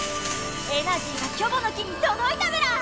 エナジーがキョボの木にとどいたメラ！